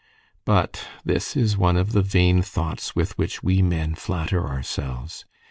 But this is one of the vain thoughts with which we men flatter ourselves.